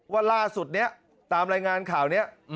ว่าล่าสุดนี้ตามรายงานข่าวนี้